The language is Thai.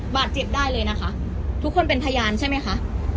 บาดเจ็บได้เลยนะคะทุกคนเป็นพยานใช่ไหมคะ